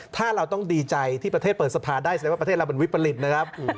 ถ้าเราต้องดีใจที่ประเทศเปิดสภาได้แสดงว่าประเทศเราเป็นวิปริตนะครับ